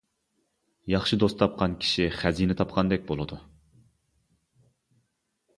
ياخشى دوست تاپقان كىشى خەزىنە تاپقاندەك بولىدۇ.